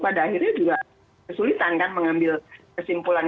pada akhirnya juga kesulitan kan mengambil kesimpulan